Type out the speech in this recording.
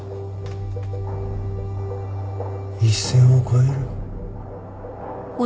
一線を越える。